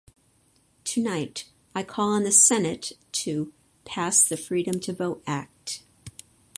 Tonight. I call on the Senate to: Pass the Freedom to Vote Act.